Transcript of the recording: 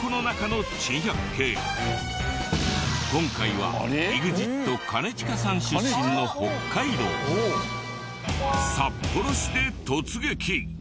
今回はＥＸＩＴ兼近さん出身の札幌市で突撃！